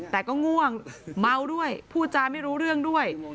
แต่ก็ง่วงเมาด้วยพูดจาไม่รู้เรื่องด้วย